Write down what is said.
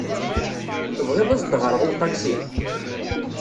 Tebɣid ad as-d-ɣreɣ i uṭaksi?